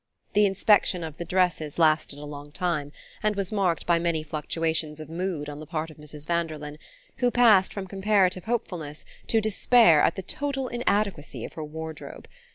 The inspection of the dresses lasted a long time, and was marked by many fluctuations of mood on the part of Mrs. Vanderlyn, who passed from comparative hopefulness to despair at the total inadequacy of her wardrobe.